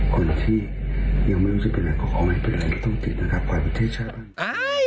คนที่ยังไม่รู้จะเป็นอะไรขอขอให้เป็นอะไรก็ต้องติดครับไขวนประชาบนี้